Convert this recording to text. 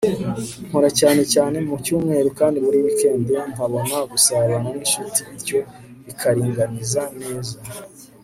nkora cyane cyane mu cyumweru, kandi muri wikendi nkabona gusabana n'inshuti, bityo bikaringaniza neza